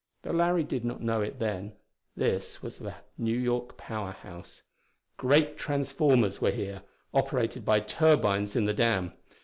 Though Larry did not know it then, this was the New York Power House. Great transformers were here, operated by turbines in the dam.